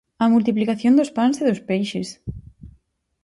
¡A multiplicación dos pans e dos peixes!